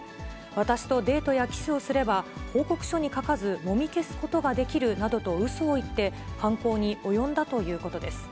私とデートやキスをすれば、報告書に書かず、もみ消すことができるなどとうそを言って、犯行に及んだということです。